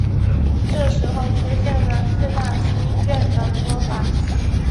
这时候出现了四大书院的说法。